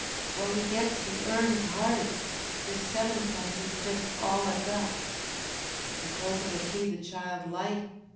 What we gets we earns 'ard. This sevenpence is just all I've got. You told me to feed the child light.